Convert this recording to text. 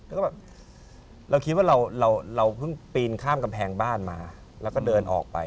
แล้วก็แบบเราคิดว่าเราเราเพิ่งปีนข้ามกำแพงบ้านมาแล้วก็เดินออกไป